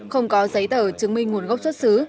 không có giấy tờ chứng minh nguồn gốc xuất xứ